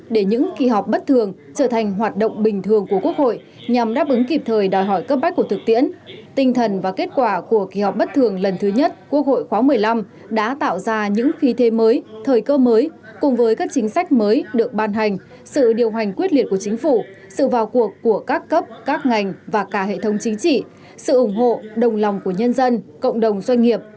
để những kỳ họp bất thường trở thành hoạt động bình thường của quốc hội nhằm đáp ứng kịp thời đòi hỏi cấp bách của thực tiễn tinh thần và kết quả của kỳ họp bất thường lần thứ nhất quốc hội khóa một mươi năm đã tạo ra những khí thế mới thời cơ mới cùng với các chính sách mới được ban hành sự điều hành quyết liệt của chính phủ sự vào cuộc của các cấp các ngành và cả hệ thống chính trị sự ủng hộ đồng lòng của nhân dân cộng đồng doanh nghiệp